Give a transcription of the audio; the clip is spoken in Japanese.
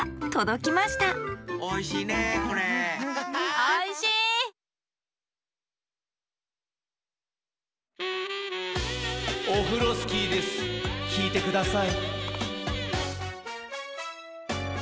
きいてください。